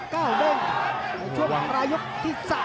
ก้าวเดินช่วงประยุกต์ที่๓